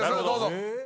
どうぞ。